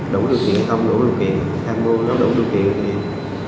đủ điều kiện không đủ điều kiện tham vô nó đủ điều kiện thì